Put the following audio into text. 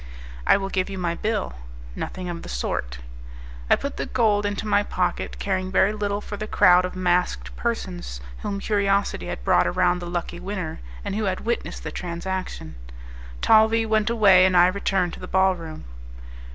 "I will give you my bill." "Nothing of the sort." I put the gold into my pocket, caring very little for the crowd of masked persons whom curiosity had brought around the lucky winner, and who had witnessed the transaction. Talvis went away, and I returned to the ball room.